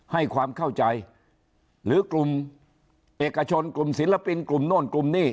ให้ความเข้าใจหรือกลุ่มเอกชนกลุ่มศิลปินกลุ่มโน่นกลุ่มนี้